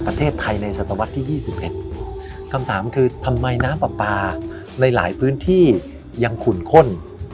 ประเทศไทยในสัตวัสดิ์ที่ยี่สิบเอ็ดคำถามคือทำไมน้ำปลาปลาในหลายพื้นที่ยังขุ่นข้น